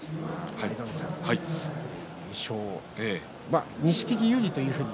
舞の海さん錦木、有利というふうに